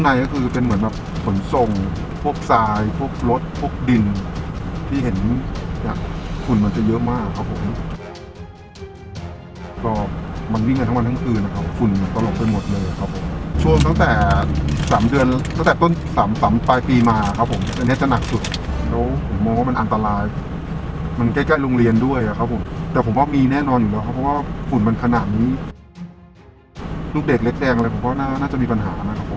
มีความรู้สึกว่ามีความรู้สึกว่ามีความรู้สึกว่ามีความรู้สึกว่ามีความรู้สึกว่ามีความรู้สึกว่ามีความรู้สึกว่ามีความรู้สึกว่ามีความรู้สึกว่ามีความรู้สึกว่ามีความรู้สึกว่ามีความรู้สึกว่ามีความรู้สึกว่ามีความรู้สึกว่ามีความรู้สึกว่ามีความรู้สึกว